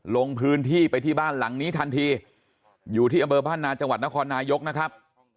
ลงพื้นที่ไปที่บ้านหลังนี้ทันทีอยู่ที่อำเภอบ้านนาจังหวัดนครนายกนะครับ